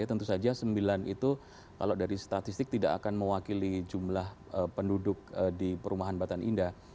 tentu saja sembilan itu kalau dari statistik tidak akan mewakili jumlah penduduk di perumahan batan indah